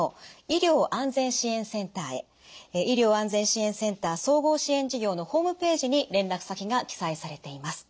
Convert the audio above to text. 医療安全支援センター総合支援事業のホームページに連絡先が記載されています。